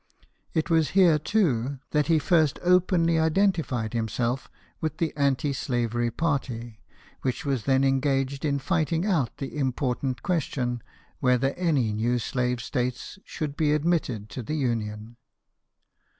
It was here, too, that he first openly identified himself with the anti slavery party, which was then engaged in fighting out the important question whether any new slave states should be admitted to the Union.